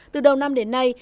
từ đầu năm đến nay